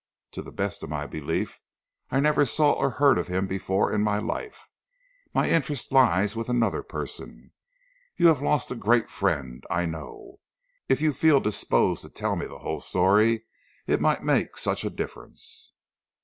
To the best of my belief, I never saw or heard of him before in my life. My interest lies with another person. You have lost a great friend, I know. If you felt disposed to tell me the whole story, it might make such a difference."